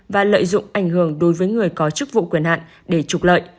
và lợi dụng ảnh hưởng đối với người có chức vụ quyền hạn để trục lợi